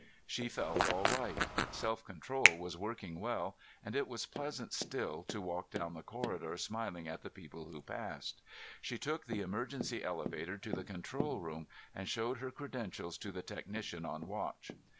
She felt all right. Self control was working well and it was pleasant still to walk down the corridor smiling at the people who passed. She took the emergency elevator to the control room and showed her credentials to the technician on watch.